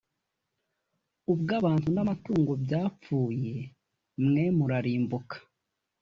ubw abantu namatungo byapfuye mwe murarimbuka